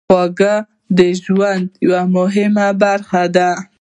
خوږه د ژوند یوه مهمه برخه ده.